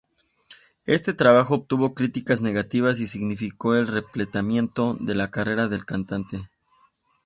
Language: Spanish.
Este trabajo obtuvo críticas negativas y significó el replanteamiento de la carrera del cantante.